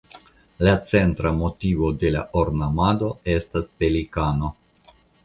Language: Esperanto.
La centra motivo de la ornamado estas pelikano.